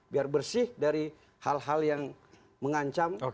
biar bersih dari hal hal yang mengancam